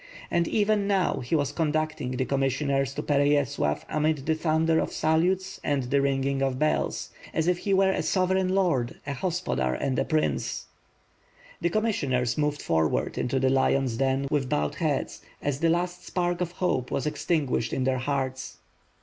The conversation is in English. And, even now, he was conducting the commissioners to Pereyaslav amid the thunder of salutes and the ringing of bells; as if he were a sovereign lord, a hos podar and a prince. The commissioners moved forward into the lion's den with bowed heads as the last spark of hope was extinguished in their hearts.